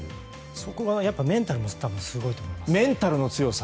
そこがやっぱりメンタルがすごいと思います。